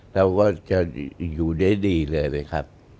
เราก็จะอยู่ได้ดีเลยนะครับ